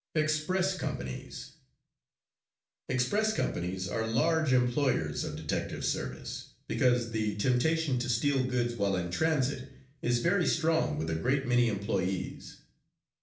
EXPRESS COMPANIES Express companies are large employers of detective service, because the temptation to steal goods while in transit is very strong with a great many employees.